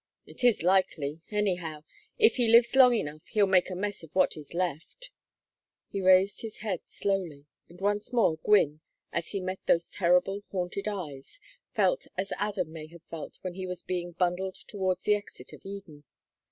"It is likely. Anyhow, if he lives long enough he'll make a mess of what is left." He raised his head slowly, and once more Gwynne, as he met those terrible haunted eyes, felt as Adam may have felt when he was being bundled towards the exit of Eden.